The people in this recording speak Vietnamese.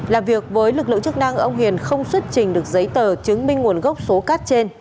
làm việc với lực lượng chức năng ông hiền không xuất trình được giấy tờ chứng minh nguồn gốc số cát trên